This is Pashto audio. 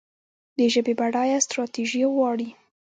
د ژبې بډاینه ستراتیژي غواړي.